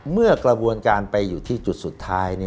เมื่อกระบวนการไปอยู่ที่จุดสุดท้าย